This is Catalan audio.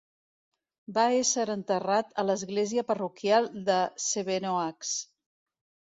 Va ésser enterrat a l'església parroquial de Sevenoaks.